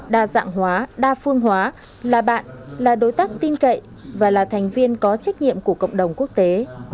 đa dạng hóa đa phương hóa là bạn là đối tác tin cậy và là thành viên có trách nhiệm của cộng đồng quốc tế